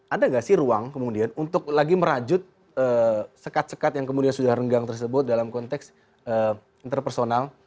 ada nggak sih ruang kemudian untuk lagi merajut sekat sekat yang kemudian sudah renggang tersebut dalam konteks interpersonal